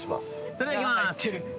それではいきまーす